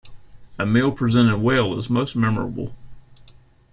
A meal presented well is most memorable.